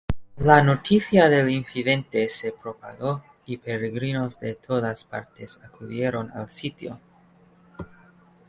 La noticia del incidente se propagó y peregrinos de todas partes acudieron al sitio.